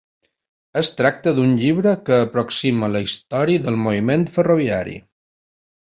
Es tracta d'un llibre que aproxima la història del moviment ferroviari.